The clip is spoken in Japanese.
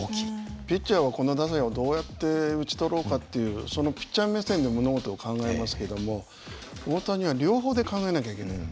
ピッチャーはこの打線をどうやって打ち取ろうかというピッチャー目線で物事を考えますけれども大谷は両方で考えなきゃいけない。